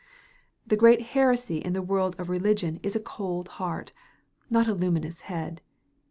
The great heresy in the world of religion is a cold heart, not a luminous head.